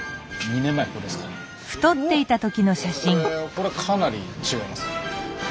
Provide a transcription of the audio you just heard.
これかなり違いますね。